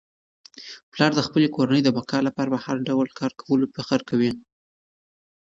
پلار د خپلې کورنی د بقا لپاره په هر ډول کار کولو فخر کوي.